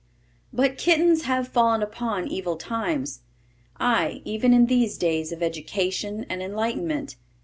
But kittens have fallen upon evil times, ay, even in these days of education and enlightenment.